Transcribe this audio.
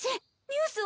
ニュース？